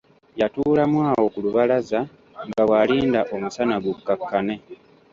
Yatuulamu awo ku lubalaza nga bw'alinda omusana gukkakkane.